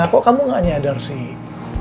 kok kamu gak nyadar sih